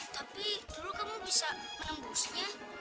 tapi dulu kamu bisa nembusnya